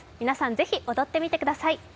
皆さん、是非踊ってみてください。